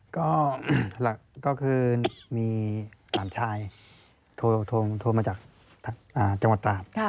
ก็คือมีหลานชายโทรมาจากจังหวัดตราด